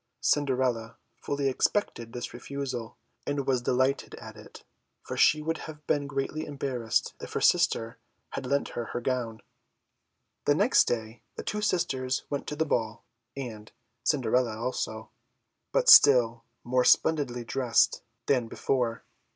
Cinderella fully expected this refusal, and was delighted at it, for she would have been greatly embarrassed if her sister had lent her her gown. The next day the two sisters went to the ball, and Cinderella also, but still more splendidly dressed than before.